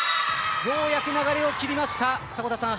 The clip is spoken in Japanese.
ようやく流れを切りました。